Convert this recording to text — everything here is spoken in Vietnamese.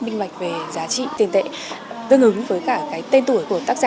minh bạch về giá trị tiền tệ tương ứng với cả cái tên tuổi của tác giả